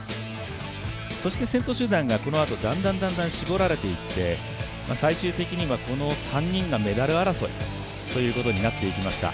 そして先頭集団がこのあとだんだん絞られていって最終的には、この３人がメダル争いということになっていきました。